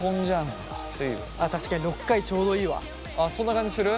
そんな感じする？